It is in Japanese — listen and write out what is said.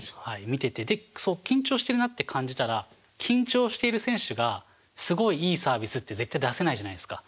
見てて緊張してるなって感じたら緊張している選手がすごいいいサービスって絶対出せないじゃないですか。